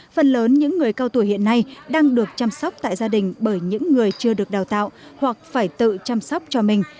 phần lớn những người cao tuổi hiện nay đang được chăm sóc tại gia đình bởi những người chưa được đào tạo hoặc phải tự chăm sóc cho mình